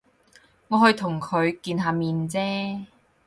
我去同佢見下面啫